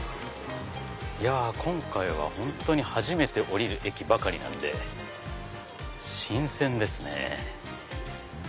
今回は本当に初めて降りる駅ばかりなんで新鮮ですね。